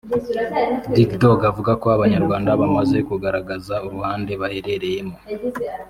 Dig Dog avuga ko Abanyarwanda bamaze kugaragaza uruhande baherereyemo